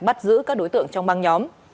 bắt giữ các đối tượng trong băng nhóm